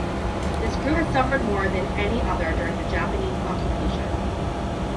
This group has suffered more than any other during the Japanese occupation.